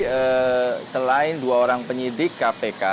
ya lady selain dua orang penyidik kpk dan seorang dokter kpk